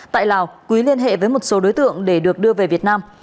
tại lào quý liên hệ với một số đối tượng để được đưa về việt nam